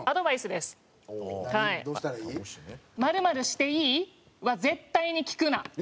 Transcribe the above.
「○○していい？」は絶対に聞くな！